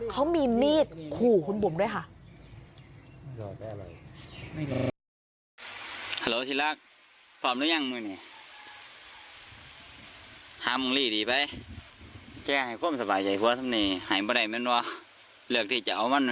เดี๋ยวจะเปิดคลิปนี้เดี๋ยวจะเปิดให้คุณผู้ชมดู